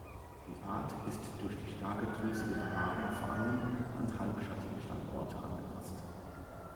Die Art ist durch die starke drüsige Behaarung vor allem an halbschattige Standorte angepasst.